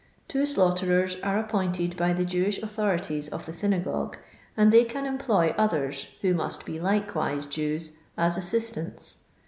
Two slaughterers are appointed by the Jewish autho rities of the synagogue, and they can employ others, who must be likewise Jews, as assistants.